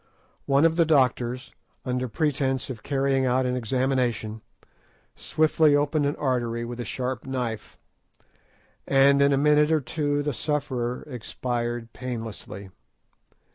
One of the doctors, under pretence of carrying out an examination, swiftly opened an artery with a sharp knife, and in a minute or two the sufferer expired painlessly.